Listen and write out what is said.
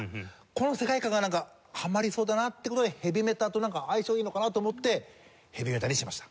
この世界観がなんかハマりそうだなって事でヘヴィメタと相性いいのかな？と思ってヘヴィメタにしました。